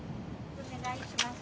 でもお願いします。